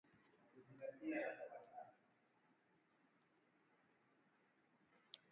Uganda yabakia kwenye kiwango cha kipato cha chini, Benki ya Dunia yasema.